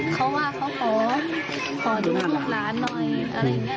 เขาว่าเขาขอดูลูกหลานหน่อยอะไรอย่างนี้